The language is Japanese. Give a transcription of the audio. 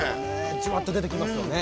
ジワッと出てきますよね。